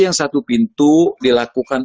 yang satu pintu dilakukan